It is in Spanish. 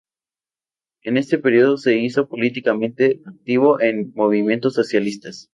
En este periodo se hizo políticamente activo en movimientos socialistas.